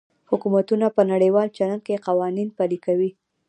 حکومتونه په نړیوال چلند کې قوانین پلي کوي